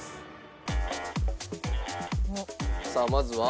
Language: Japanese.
さあまずは？